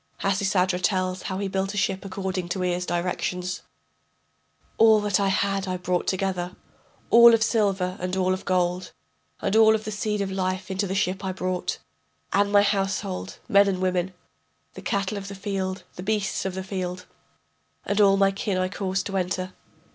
[Hasisadra tells how he built the ship according to Ea's directions.] All that I had I brought together, All of silver and all of gold, And all of the seed of life into the ship I brought. And my household, men and women, The cattle of the field, the beasts of the field, And all my kin I caused to enter.